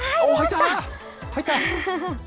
入った！